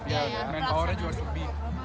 ya main powernya juga harus lebih